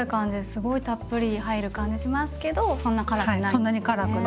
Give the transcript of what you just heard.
すごいたっぷり入る感じしますけどそんな辛くないんですもんね。